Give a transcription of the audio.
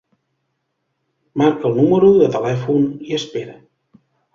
Marca el número de telèfon i espera.